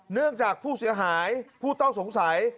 เนื่องจากผู้เสียหายผู้ต้องสงสัย